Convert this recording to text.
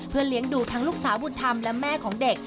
เพื่อเลี้ยงดูทั้งลูกสาวบุญธรรมและแม่ของเด็ก